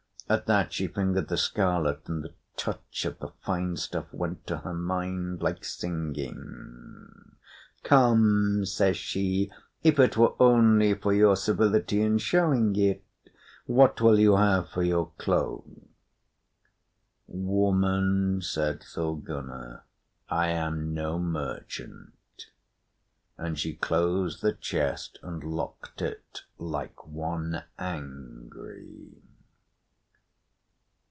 At that she fingered the scarlet, and the touch of the fine stuff went to her mind like singing. "Come," says she, "if it were only for your civility in showing it, what will you have for your cloak?" "Woman," said Thorgunna, "I am no merchant." And she closed the chest and locked it, like one angry.